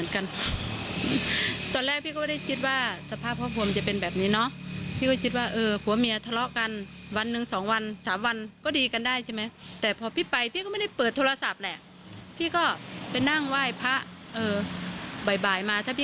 เขาบอกผัวเมียทะเลาะกัน๑๒๓วัน